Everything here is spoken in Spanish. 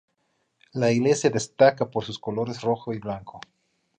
La iglesia destaca por sus colores rojo y blanco.